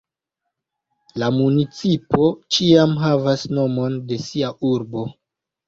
La municipo ĉiam havas nomon de sia urbo.